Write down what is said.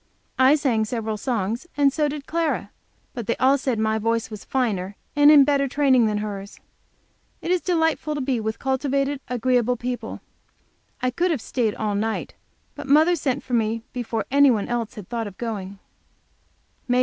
I sang several songs, and so did Clara, but they all said my voice was finer and in better training than hers. It is delightful to be with cultivated, agreeable people. I could have stayed all night, but mother sent for me before any one else had thought of going.